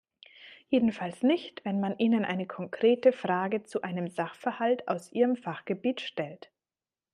Jedenfalls nicht, wenn man ihnen eine konkrete Frage zu einem Sachverhalt aus ihrem Fachgebiet stellt.